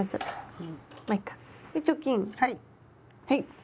はい。